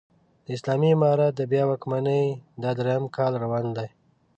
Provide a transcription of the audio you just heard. د اسلامي امارت د بيا واکمنۍ دا درېيم کال روان دی